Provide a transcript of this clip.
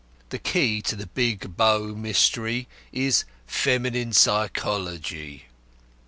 The key to the Big Bow Mystery is feminine psychology.